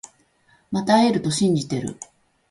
また会えると信じてる